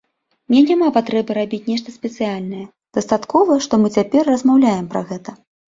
Мне няма патрэбы рабіць нешта спецыяльнае, дастаткова, што мы цяпер размаўляем пра гэта.